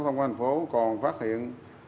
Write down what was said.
công an tp còn phát hiện